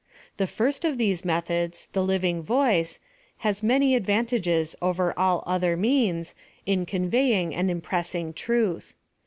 The first of these methods — the living voice — has many ad vantages over all other means, in conveying and impressing truth.